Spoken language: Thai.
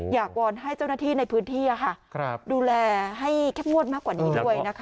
วอนให้เจ้าหน้าที่ในพื้นที่ดูแลให้เข้มงวดมากกว่านี้ด้วยนะคะ